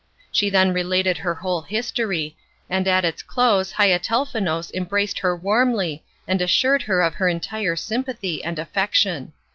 She then related her whole history, and at its close Haiatelnefous embraced her warmly, and assured her of her entire sympathy and affection.